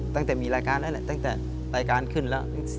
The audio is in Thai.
ตั้งแต่มีรายการนั่นแหละตั้งแต่รายการขึ้นแล้ว